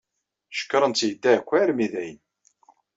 Cekṛen-tt-id akk armi d ayen.